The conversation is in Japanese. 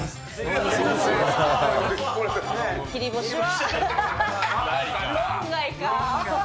切り干しは？